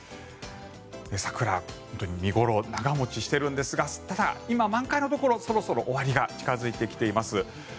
桜、本当に見頃長持ちしているんですがただ、今、満開のところそろそろ終わりが近付いています。